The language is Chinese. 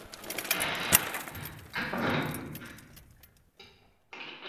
有通往依吞布拉克镇和青海境内的乡道以及山区各处的简易公路。